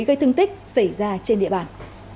cái thương tích xảy ra trên địa bàn